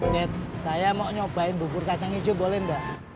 bet saya mau nyobain bubur kacang hijau boleh mbak